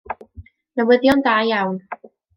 Newyddion da iawn.